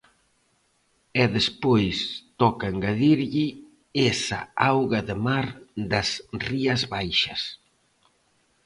E despois toca engadirlle esa auga de mar das Rías Baixas.